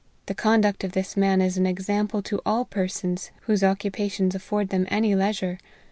The conduct of this man is an example to all persons whose occupations afford them any leisure.